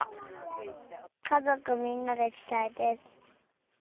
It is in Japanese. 家族みんなで来たいです。